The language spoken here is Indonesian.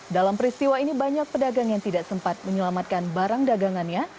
dalam peristiwa ini banyak pedagang yang tidak sempat menyelamatkan barang dagangannya